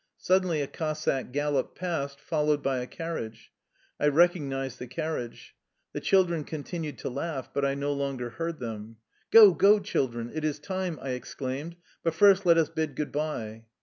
Suddenly a Cossack galloped past, fol lowed by a carriage. I recognized the carriage. The children continued to laugh, but I no longer heard them. " Go, go, children ! it is time !" I exclaimed. " But first let us bid good by."